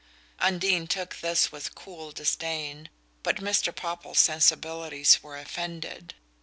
Undine took this with cool disdain, but Mr. Popple's sensibilities were offended.